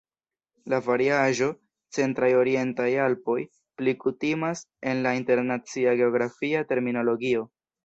La variaĵo "Centraj Orientaj Alpoj" pli kutimas en la internacia geografia terminologio.